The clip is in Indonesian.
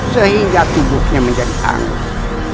sehingga tubuhnya menjadi hangat